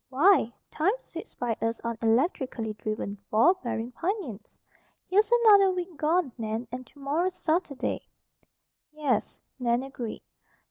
Why! Time sweeps by us on electrically driven, ball bearing pinions. Here's another week gone, Nan, and tomorrow's Saturday." "Yes," Nan agreed.